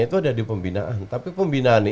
itu ada di pembinaan tapi pembinaan